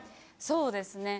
そうですね